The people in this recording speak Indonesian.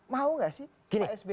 mau gak sih pak sby